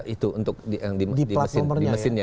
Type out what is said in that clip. itu untuk yang di mesinnya